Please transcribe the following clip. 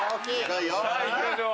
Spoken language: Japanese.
いきましょう！